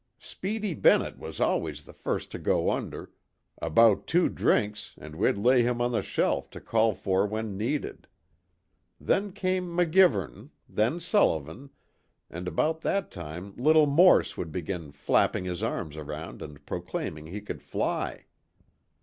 Speedy Bennet was always the first to go under about two drinks and we'd lay him on the shelf to call for when needed. Then came McGivern, then Sullivan, and about that time little Morse would begin flapping his arms around and proclaiming he could fly.